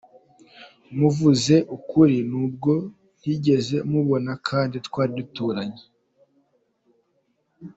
Umuvuze ukuli n’ubwo ntigeze mubona kandi twali duturanye.